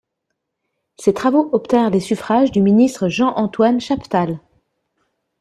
Ses travaux obtinrent les suffrages du ministre Jean-Antoine Chaptal.